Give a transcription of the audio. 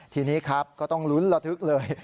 ทีนี้ครับก็ต้องลุ้นระทึกเลย